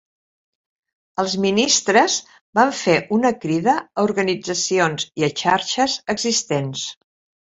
Els ministres van fer una crida a organitzacions i a xarxes existents